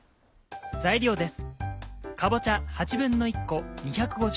材料です。